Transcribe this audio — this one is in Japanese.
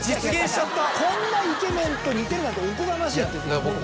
こんなイケメンと似てるなんておこがましい。